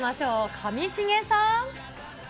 上重さん。